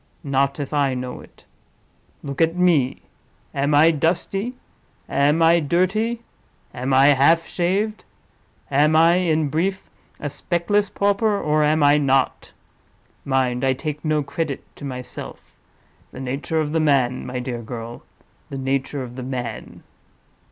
Not if I know it! Look at me. Am I dusty? am I dirty? am I half shaved? Am I, in brief, a speckless pauper, or am I not? Mind! I take no credit to myself; the nature of the man, my dear girl—the nature of the man!"